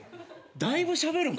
だいぶしゃべるん？